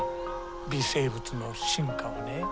微生物の進化はね